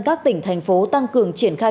các tỉnh thành phố tăng cường triển khai